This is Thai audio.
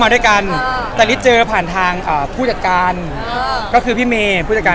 พี่เห็นไอ้เทรดเลิศเราทำไมวะไม่ลืมแล้ว